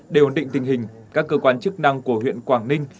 để ổn định tình hình các cơ quan chức năng của huyện quảng ninh